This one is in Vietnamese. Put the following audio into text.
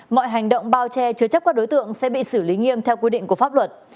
mọi hành động bao che chứa chấp các đối tượng sẽ bị xử lý nghiêm theo quy định của pháp luật